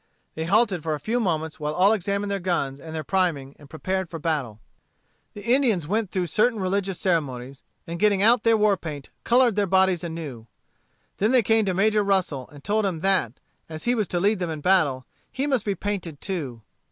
They halted for a few moments while all examined their guns and their priming and prepared for battle. The Indians went through certain religious ceremonies, and getting out their war paint, colored their bodies anew. They then came to Major Russell, and told him that, as he was to lead them in the battle, he must be painted too.